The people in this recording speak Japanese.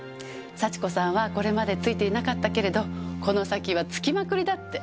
幸子さんはこれまでついていなかったけれどこの先はつきまくりだって。